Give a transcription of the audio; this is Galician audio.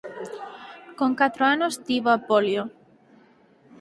Con catro anos tivo a polio.